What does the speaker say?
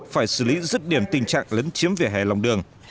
phải xử lý rứt điểm tình trạng lấn chiếm vỉa hè lòng đường